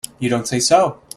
You don't say so!